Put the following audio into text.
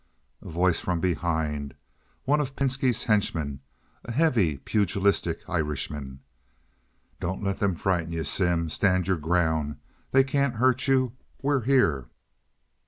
A Voice from Behind (one of Pinski's henchmen—a heavy, pugilistic Irishman). "Don't let them frighten you, Sim. Stand your ground. They can't hurt you. We're here."